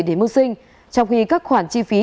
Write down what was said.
để mưu sinh trong khi các khoản chi phí